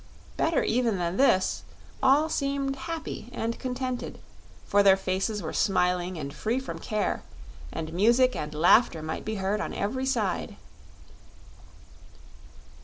Better even than this: all seemed happy and contented, for their faces were smiling and free from care, and music and laughter might be heard on every side.